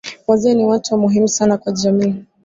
Wazee ni watu wa muhimu sana kwa jamii